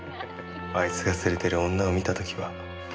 あいつが連れてる女を見た時は。